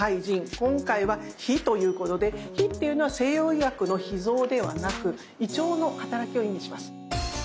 今回は「脾」ということで脾っていうのは西洋医学の脾臓ではなく胃腸のはたらきを意味します。